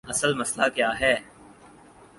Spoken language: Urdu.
اصل مسئلہ کیا ہے؟